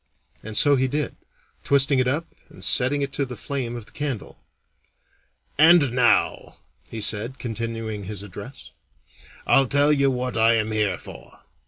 And so he did, twisting it up and setting it to the flame of the candle. "And now," he said, continuing his address, "I'll tell you what I am here for.